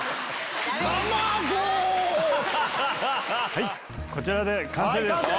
はいこちらで完成です。